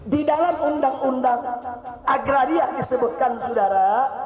di dalam undang undang agraria disebutkan saudara